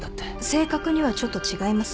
正確にはちょっと違います。